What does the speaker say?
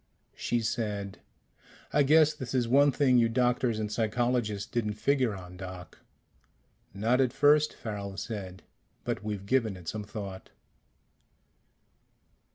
She said, "I guess this is one thing you doctors and psychologists didn't figure on, Doc." "Not at first," Farrel said. "But we've given it some thought."